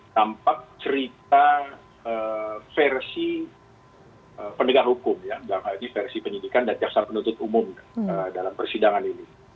tampak cerita versi pemegang hukum yang berarti versi pendidikan dan jaksa penutup umum dalam persidangan ini